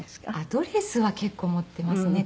ドレスは結構持っていますね。